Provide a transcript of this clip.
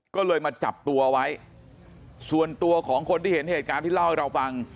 ก็เลยมาจับตัวไว้ส่วนตัวของคนที่เห็นเหตุการณ์ที่เล่าให้เราฟัง